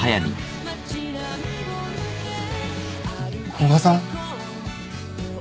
古賀さん？